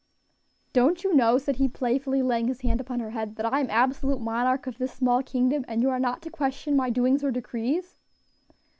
"Don't you know," said he playfully, laying his hand upon her head, "that I am absolute monarch of this small kingdom, and you are not to question my doings or decrees?"